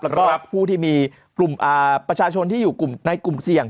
แล้วก็ผู้ที่มีกลุ่มประชาชนที่อยู่ในกลุ่มเสี่ยง